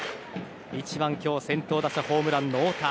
１番、先頭打者ホームランの太田。